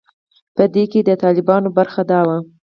په دې برخه کې د طالبانو برخه دا وه.